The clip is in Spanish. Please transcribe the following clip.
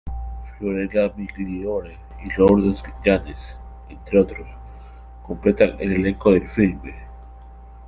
Fiorella Migliore y Lourdes Llanes, entre otros, completan el elenco del filme.